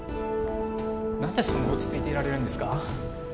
何でそんな落ち着いていられるんですか。